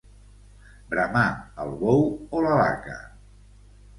Bramà el bou o la vaca.